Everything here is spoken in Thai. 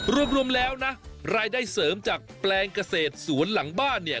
รวมแล้วนะรายได้เสริมจากแปลงเกษตรสวนหลังบ้านเนี่ย